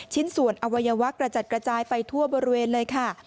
ชิ้นส่วนอวัยวะกระจัดกระจายไปทั่วบริเวณเลยค่ะ